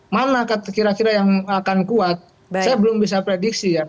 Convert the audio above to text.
mana kira kira yang akan kuat saya belum bisa prediksi ya